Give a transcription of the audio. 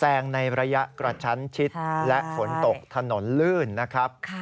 งในระยะกระชั้นชิดและฝนตกถนนลื่นนะครับ